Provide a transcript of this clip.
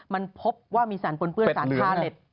มันพบว่ามีสารปนเปื้อนสารคาเล็ต